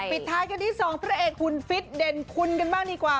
ปิดท้ายกันที่สองผู้แอบคุณฟิศเด่นคุณกันมากดีกว่า